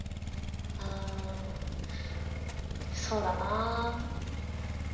あそうだな。